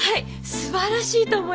すばらしいと思います。